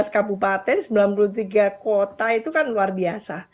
lima belas kabupaten sembilan puluh tiga kota itu kan luar biasa